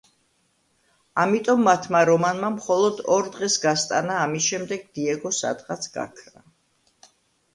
ამიტომ მათმა რომანმა მხოლოდ ორ დღეს გასტანა ამის შემდეგ დიეგო სადღაც გაქრა.